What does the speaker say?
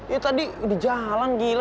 ya tadi di jalan gila